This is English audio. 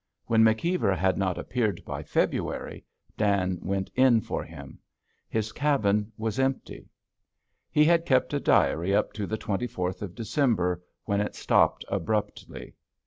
When McKeever had not appeared by February, Dan went in for him. His cabin was empty. He had kept a diary up to the 24th of December, when it stopped abruptly.